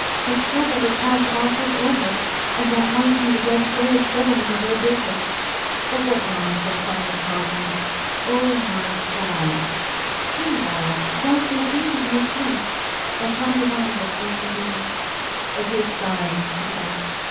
His trouble would pass off with illness, and that might be the best way of settling the whole business. But what non sense I am talking. Oh, my God 1 " Meanwhile Vasya seemed to be asleep. Arkady Ivanovitch was relieved. " A good sign," he thought.